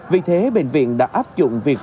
vì thế bệnh viện đã áp dụng việc